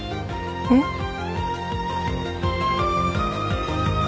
えっ？